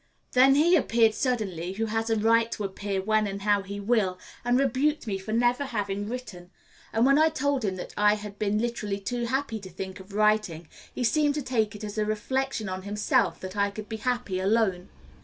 Then he appeared suddenly who has a right to appear when and how he will and rebuked me for never having written, and when I told him that I had been literally too happy to think of writing, he seemed to take it as a reflection on himself that I could be happy alone.